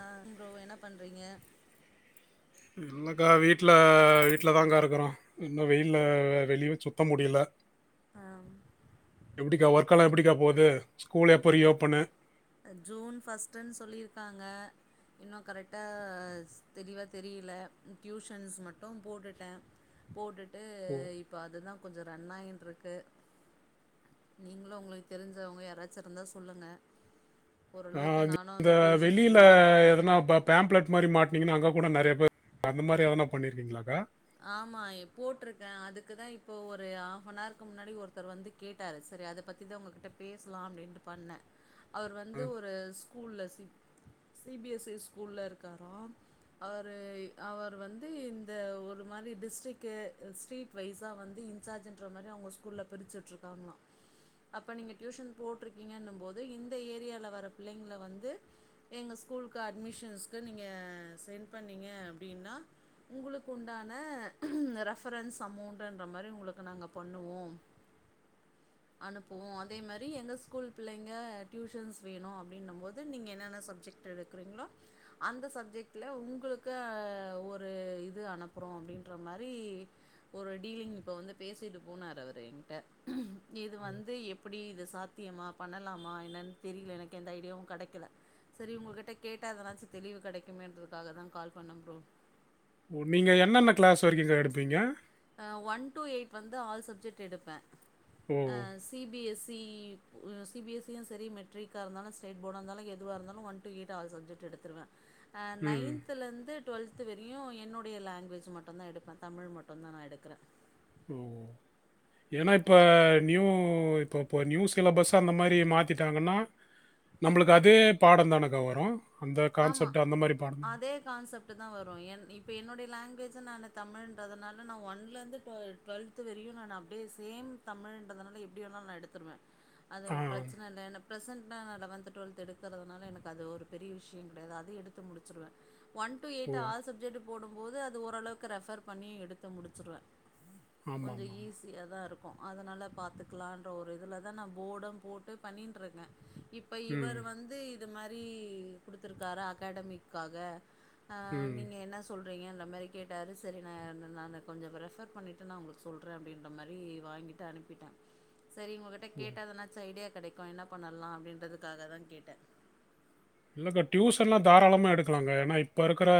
ஆ bro என்ன பண்றீங்க இல்லக்கா வீட்ல வீட்லதாக்கா இருக்கறோ இன்னு வெயில்ல வெளியவு சுத்த முடில அம் எப்டிக்கா ஒர்க்கெல்லா எப்டிக்கா போது இப்ப அ ஜூன் பஃஸ்ட்டுன்னு சொல்லிருக்காங்க இன்னு கரெக்டா ஸ் தெளிவா தெரியல டியூஷன்ஸ் மட்டு போட்டுட்டே போட்டுட் ட்டு ஓ இப்ப அதுதா கொஞ்சோ ரன் ஆயின்டுருக்கு நீங்களும் உங்களுக்கு தெரிஞ்சவங்க யாரா ச்சு இருந்தா சொல்லுங்க நா ஓரளவுக்கு நானு இந்த அந்த டியூஷன்ஸ் வெளில பில்டப் எதனா பண்ணலான்ட்ருக்கே ப பேம்ப்லெட் மாரி மாட்னீங்கன்னா அங்க கூட நறைய பேர் அந்த மாரி எதனா பண்ணிருக்கீங்களாக்கா ஆமா இ போட்டிருக்கே அதுக்குதா இப்போ ஒரு ஹாஃப்னாருக்கு முன்னாடி ஒருத்தர் வந்து கேட்டாரு செரி அத பத்திதா உங்ககிட்ட பேசலா அப்டின்ட்டு பண்ண அவர் வந்து ம். ஒரு ஸ் ஸ்கூல சி சிபிஎஸ்இ ஸ்கூல்ல இருக்காரா அவரு அவர் வந்து இந்த ஒரு இந்த மாரி டிஸ்ட்ரிக்கு ஸ்ட்ரீட் வைசா வந்து இன்சார்ஜ்ன்ட்ர மாரி அவுங்க ஸ்கூல்ல பிரிச்சு உட்ருக்காங்களா அப்ப நீங்க டியூஷன் போட்டிருக்கீங்கன்னும் போது இந்த ஏரியால வர பிள்ளைங்கள வந்து எங்க ஸ்கூலுக்கு அட்மிஷன்ஸ்க்கு நீங்க சென்ட் பண்ணிங்க அப்டின்னா உங்களுக்கு ஒன்னு க்கான ரெபரன்ஸ் அமௌன்ட்டுன்ற மாரி உங்களுக்கு நாங்க பண்ணுவோம் அனுப்புவோ அதே மாரி எங்க ஸ்கூல் பிள்ளைங்க டியூஷன்ஸ் வேணு அப்டின்னும் போது நீங்க என்னென்ன சப்ஜெக்ட் எடுக்கிறீங்களோ அந்த சப்ஜெக்ட்ல உங்களுக்கு அ ஒரு இது அனுப் ப்புறோ அப்டின்ற மாரி ஒரு டீலிங் இப்ப வந்து பேசிட்டு போனாரு அவரு எங்கிட்ட இது வந்து எப்டி இது ஸ் சாத்தியமா பண்ணலாமா என்னென்னு தெரில எனக்கு எந்த ஐடியாவு கெடைக்கல செரி உங்ககிட்ட கேட்டா எதனாச்சு தெளிவு கெடைக்குமேன்றதுக்காக தா கால் பண்ண ப்ரோ ஓ நீங்க என்னென்ன கிளாஸ் வரைக்குங்க எடுப்பீங்க ஆ ஒன் டூ எயிட் வந்து ஆல் சப்ஜெட் எடுப்ப ஓ ஆ சிபிஎஸ் சி சிபிஎஸ்சி யு செரி மெட்ரிக்கா இருந்தலு ஸ்டேட் போர்டா இந்தாலு எதுவா இருந்தாலு one to eight all subject எடுத்துருவே அ ம் நைன்த்துலருந்து டுவெல்த் வரையு என்னுடைய லாங்குவேஜ் மட்டுந்தா எடுப்பே தமிழ் மட் மட்டுந்தா நா எடுக்குற ம் ஏன்னா இப்ப மற்ற நீயூ இப்ப இப்ப நியூ சிலபஸ் அந்த மாரி மாத்திட்டாங்கன்னா நம்ளுக்கு அதே பாடந்தானக்க வரு ஆமா அதே கான்செப்ட்டுதா வரு என் இப்ப என்னுடைய லாங்குவேஜ் த்து நானு தமிழ்ன்றதுனால நா ஒன்லருந்து டு டுவெல்த்து வரையு நானு அப்டியே சேம் தமிழன்றதுனால எப்டி வேணாலு நா எடுத்துடுவே அது ஆ ஒரு பிரச்சன இல்ல எனக் பிரசன்டா நா லெவன் டுவெல்த் எடுக்கறதுனால எனக்கு அது ஒரு பெரிய விஷ ஷயங்கெடையாது அதையு எடுத்து முடிச்சுடுவே ஒன் டு ஓ எயிட் ஆல் சப்ஜெட்டு போடும்போது அது ஓரளவுக்கு ரெஃபர் பண்ணி எடுத்து முடுச்சுருவே ஆமாம் கொஞ்ச ஆமாம் ஈஸியாதா இரு க்கு அதனால பாத்துக்கலான்ற ஒரு இதுல தா நா போர்டு போட்டு பண்ணின்ருக்கே இப்ப ம். இவர் வந்து இ து மாரி குடுத்துருக்காரு அக்காடமிக்காக ஆ ம். நீங்க என்ன சொல் றீங்க இந்த மாரி கேட்டாரு செரி நா நானு கொஞ்சொ ரெஃபர் பண்ணிட்டு நா உங்களுக்கு சொல்றே அப்டின்ற மாரி வாங்கிட்டு அனுப்பிட்டே செரி உங்ககிட்ட ஓ! கேட்டா எதனாச்சு ஐடியா கெடைக்கு என்ன பண்ணலா அப்டின்றதுக்காக தா கேட்டே இல்லக்கா டியூஷன்லா தாராளமா எடுக்கலாங்க ஏனா இப்ப இருக்குற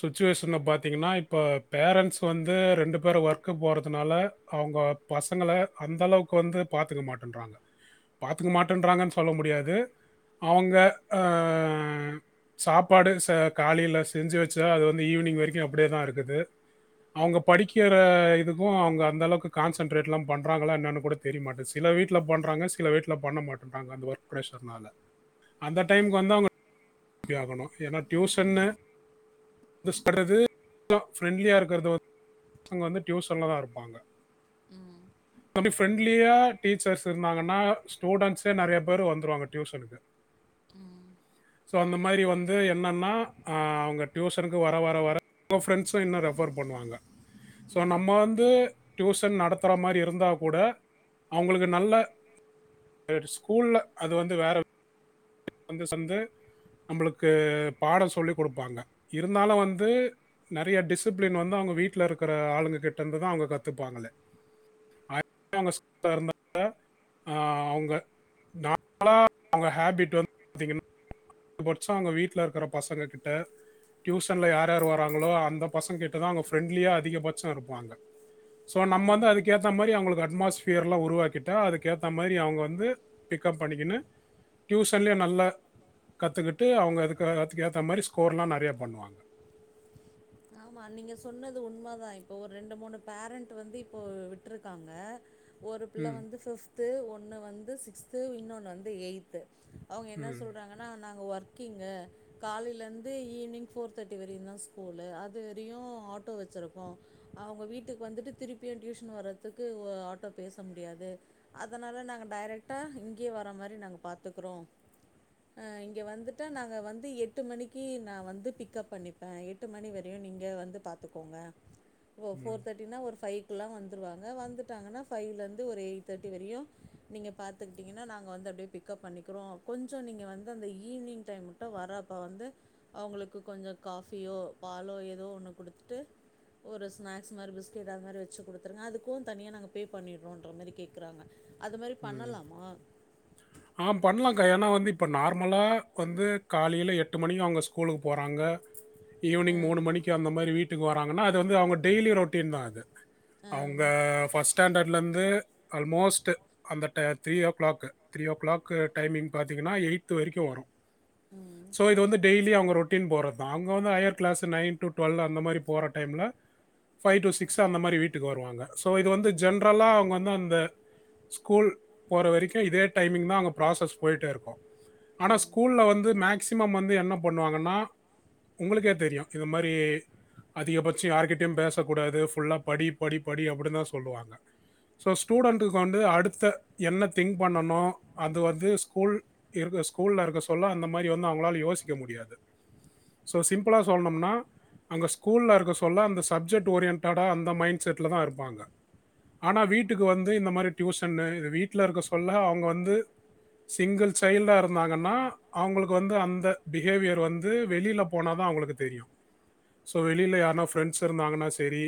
சுச்சுவேஷன்ல பாத்தீங்கன்னா இப்ப பேரண்ட்ஸ் வந்து ரெண்டு பேரு ஒர்க்கு போறதுனால அவுங்க பசங்கள அந்தளவுக்கு வந்து பாத்துக்க மாட்டென்றாங்க பாத்துக்க மாட்டென்றாங்கன் சொல்ல முடியாது அவுங்க ஆ சாப்பாடு ச காலைல செஞ்சு வச்சா அது வந்து ஈவினிங் வரைக்கு அப்டியே தா இருக்குது அவுங்க படிக்கிற இதுக்கு அவுங்க அந்தளக்கு கான்சென்ட்ரேட்லா பண்றாங்களா என்னனு கூட தெரியமாட்டெ சில வீட்ல பண்றாங்க சில வீட்ல பண்ண மாட்டென்றாங்க அந்த ஒர்க் ப்ரஷர்னால அந்த டைம்க்கு வந்த அவுங்க தே ஆகணு ஏனா டியூஷன்னு [inaudible] ஃப்ரெண்ட்லியா இருக்கற்த [inaudible] வந்து டியூஷன்ல தா இருப்பாங்க ம் நம்பி ஃப்ரெண்ட்லியா டீச்சர்ஸ் இருந்தாங்கன்னா ஸ்டூடெண்ட்ஸே நெறைய பேரு வந்துருவாங்க டியூஷனுக்கு ம் சோ அந்த மாரி வந்து என்னன்னா ஆ அவுங்க டியூஷனுக்கு வர வர வர ஃபிரெண்ட்ஸு இன்னு ரெஃபர் பண்ணுவாங்க சோ நம்ம ம் வந்து டியூசன் நடத் துற மாரி இருந்தா கூட அவுங்களுக்கு நல்ல ஒரு ஸ்கூல்ல அது வந்து வேற [inaudible] அந்த சந்து நம்பளுக்கு பாடொ சொல்லி குடுப்பாங்க இருந்தாலு வந்து நறைய டிசிப்ளின் வந்து அவுங்க வீட்ல இருக்குற ஆளுங்க கிட்டருந்து தா அவுங்க கத்துப்பாங்களே [inaudible] ஆ அவுங்க நார்மலா அவுங்க ஹேபிட் வந்து பாத்தீங்கன்னா அதிகபட்சொ அவுங்க வீட்ல இருக்குற பசங்க கிட்ட டியூஷன்ல யார் யார் வராங்களோ அந்த பசங்க கிட்டதா அவுங்க ஃப்ரெண்ட்லியா அதிகபட்ச இருப்பாங்க ஸோ ம் நம்மந்து அதுக்கேத்த மாரி அவுங்களுக்கு அட்மாஸ்ஃபியர்லா உருவாக்கிட்டா அதுக்கேத்த மாரி அவுங்க வந்து பிக்கப் பண்ணிக்கினு டியூஷன்லயே நல்லா கத்துக்கிட்டு அவுங்க அதுக்க அதுக்கு ஏத்த மாரி ஸ்கோர்லா நறையா பண்ணுவாங்க ஆமா நீங்க சொன்னது உண்ம தா இப்ப ஒரு ரெண்டு மூணு பேரண்ட் வந்து இப்போ விட்ருக்காங்க ஒரு புள்ள ம் வந்து ஃபிஃப் த்து ஒன்னு வந்து சிக்ஸ்த்து இன்னொன்னு வந்து எயித்து அவுங்க என்ன ம் சொல்றாங்கனா நாங்க ஒர்க்கிங்கு காலைலெந்து ஈவினிங் ஃபோர் தேர்ட்டி வரையுந்தா ஸ்கூலு அ து வரையு ஆட்டோ வச்சுருக்கோ அவுங்க வீட்டுக்கு வந்துட்டு திருப்பியு ட்யூஷன் வர்றத்துக்கு வ ஆட்டோ பேச முடியாது அதனால நாங்க டைரக்டா இங்யே வர மாரி நாங்க பாத்துக்குறோஅ இங்க வந்துட்டா நாங்க வந்து எட்டு மணிக்கு நா வந்து பிக்கப் பண்ணிப்பே எட்டு மணி வ ரையு நீங்க வந்து பாத்துக்கோங்க ஓ ம் ஃபோர் தேர்டினா ஒரு ஃபைவ் க்குலா வந்துருவாங்க வந்துட்டாங்கனா ஃபைவ்லந்து ஒரு எயிட் தேர்ட்டி வரையு நீங்க பாத்துக்கிட்டிங்கனா நாங்க வந்து அப்டியே பிக்கப் பண்ணிக்கிறோ கொஞ்சொ நீங்க வந்து அந்த ஈவினிங் டைம் மட்டு வரப்ப வந்து அவுங்களுக்கு கொஞ்சொ காஃபியோ பாலோ எதோ ஒன்னு குடுத்துட்டு ஒரு ஸ்நாக்ஸ் மாரி பிஸ்கெட் அது மாரி வச்சு குடுத்துருங்க அதுக்கு தனியா நாங்க பே பண்ணிட்றோன்ற மாரி கேக்குறாங்க ம் ஆ பண்லாக்கா ஏனா வந்து இப்ப நார் மலா வந்து காலைல எட்டு மணிக்கு அவுங்க ஸ்கூலுக்கு போறாங்க ஈவ்னிங் ஆம், மூணு மணிக்கு அந்த மாரி வீட் க்கு வராங்கன்னா வந்து அவுங்க டெய்லி ரொட்டீன் தா அது ஆம். அவுங்க ஃபஸ்ட்டாண்டர்ட் இல்ல இருந்து ஆல்மோஸ்ட்டு அந்த டய three o'clock three o'clock timing பாத்தீங்கனா எயி்த்து வரைக்கு வரு ம், சோ இது வந்து டெய்லி அவுங்க ரொட் டீன் போறதா அங்க வந்து higher class nine to twelve அந்த மாதிரி போற டைம்ல ஃபை டூ சிக்ஸ் அந்த மாரி வீட்டுக்கு வருவாங்க சோ இது வந்து ம், ஜென்ரலா அவுங்க வந்து அந்த ஸ்கூல் போற வரைக்கு இதே டைமிங் தா அங்க ப்ராசஸ் போயிட்டே இருக்கு ஆனா ம். ஸ்கூல்ல வந்து மேக்சிமம் வந்து என்ன பண்ணுவாங்கனா உங்களுக்கே தெரியு இந்த மாதிரி அதிகபட்சோ யார்கிட்டயு பேசக்கூடாது ஃபுல்லா படி படி படி அப்டின்னு தா சொல்லுவாங்க ஸோ ஸ்டூடெண்ட்டுக்கு வந்து அடுத்த என்ன திங்க் பண்ணனு அது வந்து ஸ்கூல் இருக்க ஸ்கூல்ல இருக்க சொல்ல அந்தமாரி அவுங்கலால யோசிக்க முடியாது சோ சிம்ப்ள சொல்லனும்னா அங்க ஸ்கூல்ல இருக்க சொல்ல அந்த ஜப்செக்ட் ஓரியன்டடா அந்த மைன்ட் செட்லதா இருப்பாங்க ஆனா வீட்டுக்கு வந்து இந்த மாரி டியூசன் இது வீட்டில இருக்க சொல்ல அவுங்க வந்து சிங்கிள் சைல்டா இருந்தாங்கன்னா அவுங்களுக்கு வந்து அந்த பிஹேவியர் வந்து வெளில போனா தா அவுங்களுக்கு தெரியு ஸோ வெளியில யாருனா ஃப்ரெண்ட்ஸ் இருந்தாங்கன்னா செரி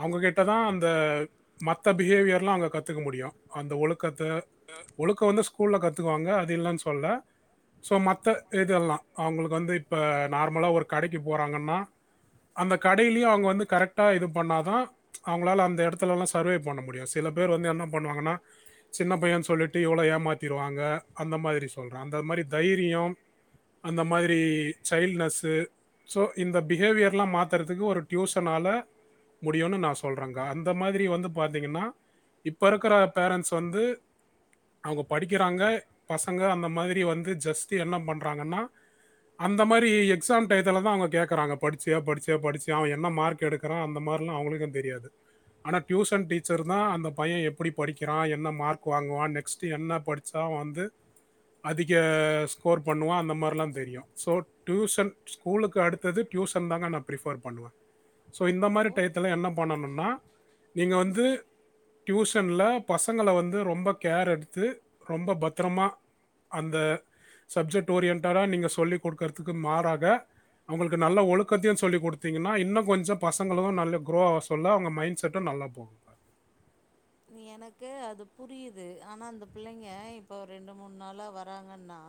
அவுங்க கிட்ட தா அந்த மத்த பிஹேவியர்லா அவுங்க கத்துக்க முடியு அந்த ஒழுக்க கத்த ஒழுக்கம் வந்து ஸ்கூல்ல கத்தூக்குவாங்க அது இல்லைன்னு சொல்ல சோ மத்த இதெல்லா அவுங்களுக்கு வந்து இப்போ நார்மலா ஒரு கடைக்கு போறாங்கன்னா அந்த கடையிலு அவுங்க வந்து கரெக்டாக இது பண்ண தா அவூங்களால அந்த இடத்துலலா சர்வே பண்ண முடியும் சில பேர் வந்து என்ன பண்ணுவாங்கன்னா சின்ன பையன் சொல்லிட்டு எவ்ளவு ஏமாத்திருவாங்க அந்த மாரி சொல்றே அந்த மாரி தைரியம் அந்த மாதிரி சைல்டனஸ் சோ இந்த பிஹேவியர்ல்லாம் மாத்துறதுக்கு ஒரு டியூசனால முடியும்னு நா சொல்றேங்க அந்த மாதிரி வந்து பாத்தீங்கன்னா இப்ப இருக்ற பேரன்ஸ் வந்து அவுங்க படிக்குறாங்க பசங்க அந்த மாதிரி வந்து ஜஸ்ட்டு என்ன பண்றாங்கன்னா அந்த மாரி எக்ஸாம் டைத்ல தா அவுங்க கேக்குறாங்க படுச்சுயா படுச்சியா படுச்சியா அவ என்ன மார்க் எடுக்குறா அந்த மாரில்லா அவுங்களுக்கு தெரியாது ஆனா டியூசன் டச்சர் தா அந்த பைய எப்டி படிக்கிறா என்ன மார்க் வாங்குவா நெக்ஸ்ட்டு என்ன படிச்சா அவ வந்து அதிக ஸ்கோர் பண்ணுவா அந்த மாரில்லா தெரியு சோ டியூசன் ஸ்கூலுக்கு அடுத்தது டியூசன் தாங்க பிரவேர் பண்ணுவே சோ இந்த மாரி ஓ டைத்ல என்ன பண்ணனுன்னாஇங்க வந்து டியூசன் டியூசன்ல பசங்கள வந்து ரொம்ப கேர் எடுத்து ரொம்ப பத்ரமா அந்த சப்ஜெக்ட் ஓரியன்டடா நீங்கள் சொல்லிக் குடுக்குறதுக்கு மாறாக அவுங்களுக்கு நல்ல ஒழுக்கத்தையு சொல்லிக் குடுத்தீங்கன்னா இன்னு கொஞ்சோ பசங்களும் நல்ல குரோ ஆக சொல்ல அவுங்க மைண்ட்செட்டும் நல்லா போகுங்க எனக்கு அது புரியுது ஆனா அந்த பிள்ளைங்க இப்போ ரெண்டு மூனு நாளா வராங்கன்னா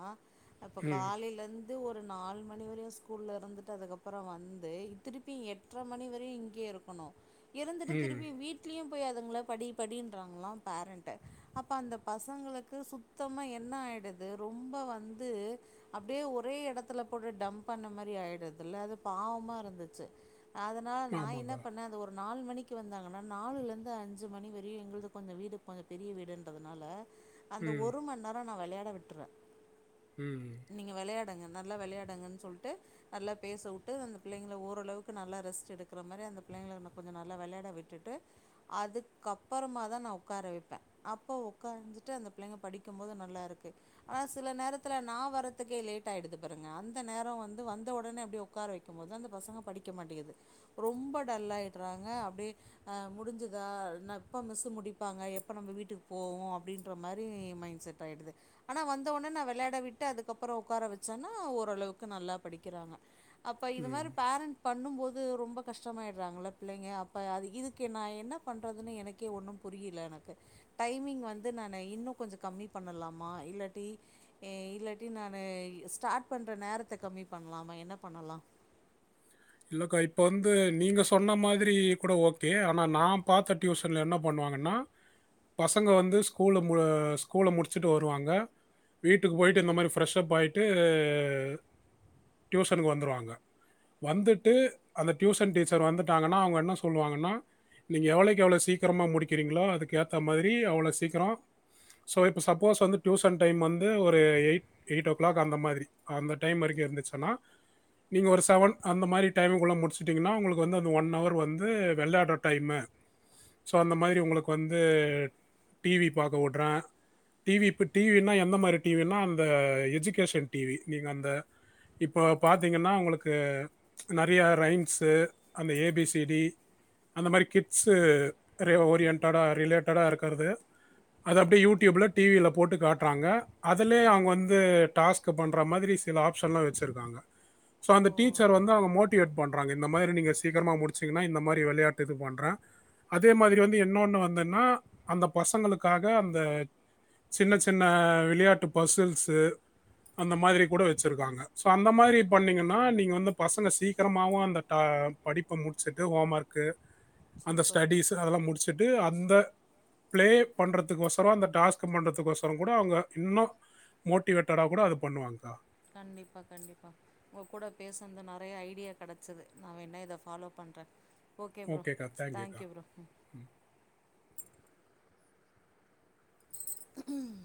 அப்ப ம் காலேல இருந்து ஒரு ஒரு நாலு மணி வரையு ஸ்கூல்ல இருந்துட்டு அதுக்கப்றோ வந்து திருப்பி எட்டரை மணி வரையு இங்கே இருக்கணும் இருந்துட்டு ம் திருப்பி வீட்லயு போய் அதுங்கள படி படின்றாங்களா பேரண்ட்ட அப்போ அந்த பசங்களுக்கு சுத்தமா என்ன ஆயிடுது ரொம்ப வந்து அப்டியே ஒரே இடத்ல போட்டு டம்ப் பண்ண மாதிரி ஆயிடுது இல்ல அது பாவமா இருந்துச்சு அதனால நா ஆமாங்க என்ன பண்ணே அது ஒரு நாலு மணிக்கு வந்தாங்கன்னா நாலுல இருந்து அஞ்சு மணி வர பெரிய எங்களது கொஞ்சோ வீடு கொஞ்சம் பெரிய வீடுன்றதுனால அந்த ம் ஒரு மணி நேரம் நா வெளயாட விட்ருவே உம் நீங்கள் விளையாடுங்க நல்லா விளையாடுங்கன்னு சொல்லிட்டு நல்லா பேச விட்டு அந்த பிள்ளைங்கள ஓரளவுக்கு நல்லா ரெஸ்ட் எடுக்ற மாரி அந்த பிள்ளைங்கள கொஞ்சோ நல்லா விளையட விட்டுட்டு அதுக்கப் அப்பறமா தா நா உக்கார வைப்பே அப்போ ஒக்கார வச்சிட்டு அந்த பிள்ளைங்க படிக்கும்போது நல்லாயிருக்கு ஆனா சில நேரத்தல நா வரதுக்கே லேட் ஆகிடுது பாருங்க அந்த நேரோ வந்து வந்த உடனே அப்டியே உக்கார வைக்கும்போது அந்த பசங்க படிக்க மாட்டேங்குது ரொம்ப டல்லா ஆயிறாங்க அப்டியே முடிஞ்சதா என்ன எப்ப மிஸு முடிப்பாங்க எப்ப நம்ம வீட்டுக்கு போவோ அப்டீன்ற மாரி மைண்ட் செட் ஆயிடுது ஆனா வந்தவுனே நா வெளயாட விட்டு அதுக்கப்றோ உக்கார வச்சன்னா ஓரளவுக்கு நல்லா படிக்குறாங்க அப்ப இது ம் மாரி பேரண்ட் பண்ணும் போது இது ரொம்ப கஷ்டமாயிட்றாங்கல்ல பிள்ளைங்க அப்ப அது இதுக்கு நா என்ன பண்றதுன்னே என க்கே ஒன்னும் புரியில எனக்கு டைமிங் வந்து நானு இன்னு கொஞ்ச கம்மி பண்ணலாமா இல்லாட்டி எ இல்லாட்டி நானு ஸ்டார்ட் பண்ற நேரத்த கம்மி பண்லாமா என்ன பண்ணலா? இல்லக்கா இப்ப வந்து நீங்க சொன்ன மாதிரி கூட ஓகே ஆனா நான் பாரத்த டியூசன்ல என்ன பண்ணுவாங்கன்னா பசங்க வந்து ஸ்கூல ஸ்கூல முடிச்சுட்டு வருவாங்க வீட்டுக்கு போயிட்டு இந்த மாதிரி ஃப்ரெஷ்ப் ஆயிட்டு டியூசனுக்கு வந்துருவாங்க வந்துட்டு அந்த டியூசன் டீச்சர் வந்துட்டாங்கன்னா அவுங்க என்ன சொல்லுவாங்கன்னா நீங்க எவ்வளோக்கு எவ்வளோ சீக்கிரமாக முடிக்கிறீங்களோ அதுக்க ஏற்ற மாரி அவ்ளோ சீக்கிரோ சோ இப்போ சப்போஸ் வந்து டியூஷன் டைம் வந்து ஒரு எயிட் எயிட் ஓ கிளாக் அந்த மாதிரி அந்த டைம் வரைக்கு இருந்துச்சுன்னா நீங்க ஒரு சவன் அந்த மாரி டைமுக்குள்ளே முடிச்சட்டீங்கன்னா உங்களுக்கு வந்து அந்த ஒன் அவர் வந்து வெளயாட்ற டைமு சோ அந்த மாரி உங்களுக்கு வந்து டி வி பாக்க உட்றே டி வி இப்ப டி வி னா எந்த மாரி டி வி னா அந்த எஜுகேஷன் டி வி நீங்க அந்த இப்போ பாத்தீங்கன்னா உங்களுக்கு நெறைய ரைம்ஸு அந்த ஏ பி சி டி அந்த மாரி கிட்ஸு ரெ ஓரியன்டடா ரிலேட்டடா இருக்கிறது அத அப்டியே யூடியூப்ல டி வி யில போட்டு காட்றாங்க. அதுலயே ஆ அவங்க வந்து டாஸ்க் பண்ற மாதிரி சில ஆப்ஷன்லா வச்சிருக்காங்க. சோ அந்த ஓ டி ல அவங்க மோட்டிவேட் பண்றாங்க. இந்த மாரி நீங்க சீக்கிரமா முடிச்சீங்கனா இந்த மாரி வெளையாட்டு இது பண்றே. அதே மாரி வந்து என்ன ஒன்னு வந்துன்னா அந்த பசங்களுக்காக அந்த சின்ன சின்ன விளையாட்டு பசில்ஸு அந்த மாதிரி கூட வெச்சிருக்காங்க. சோ அந்த மாரி பண்ணீங்கன்னா நீங்க வந்து பசங்க சீக்கிரமாவு அந்த டா படிப்ப முடிச்சுட்டு ஹோம் ஒர்க்கு அந்த சூப்பர் ஸ்டடீஸு அதெல்லா முடிச்சுட் டு அந்த பிளே பண்றதுக்கொசரோ அந்த டாஸ்க்கு பண்றதுக்கொசரோங் கூட அவங்க இன்னு மோட்டிவேட்டடா கூட அது பண்ணுவாங்க்கா கண்டிப்பா கண்டிப்பா உங்க கூட பேசுனது நெறைய ஐடியா கெடைச்சது நா வேண்ணா இத ஃபாலோ பண்றே ஓகே ப்ரோ ஓகேக்கா தேங்க்யூக்கா தேங்க் யூ ப்ரோ ம் உம்